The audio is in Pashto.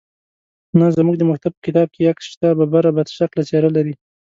_نه، زموږ د مکتب په کتاب کې يې عکس شته. ببره، بدشکله څېره لري.